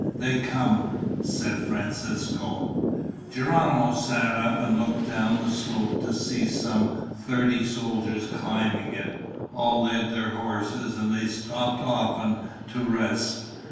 "They come," said Francisco. Geronimo sat up and looked down the slope to see some thirty soldiers climbing it. All led their horses, and they stopped often to rest.